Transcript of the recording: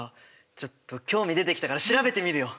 ちょっと興味出てきたから調べてみるよ！